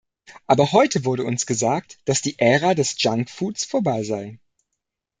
Aber heute wurde uns gesagt, dass die Ära des Junkfoods vorbei sei.